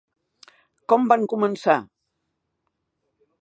Com van començar?